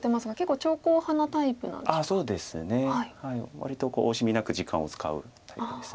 割と惜しみなく時間を使うタイプです。